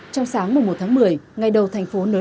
trong sáng mùa một tháng một mươi ngay đầu thành phố nới lỏng